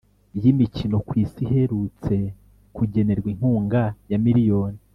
y’imikino ku Isi, iherutse kugenerwa inkunga ya miliyoni